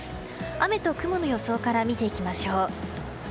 雨と雲の予想から見ていきましょう。